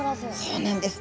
そうなんです。